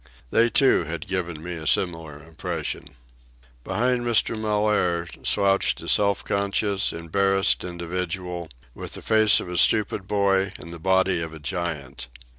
They, too, had given me a similar impression. Behind Mr. Mellaire slouched a self conscious, embarrassed individual, with the face of a stupid boy and the body of a giant.